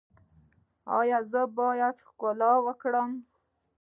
ایا زه باید ښکار وکړم؟